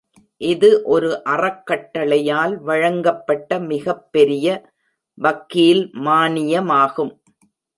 இது ஒரு அறக்கட்டளையால் வழங்கப்பட்ட மிகப்பெரிய வக்கீல் மானியமாகும்.